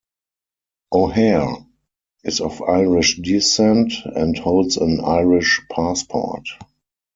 O'Hare is of Irish descent and holds an Irish passport.